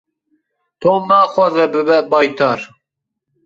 Tom naxwaze bibe baytar.